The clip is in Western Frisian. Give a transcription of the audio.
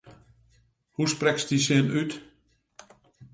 Hoe sprekst dy sin út?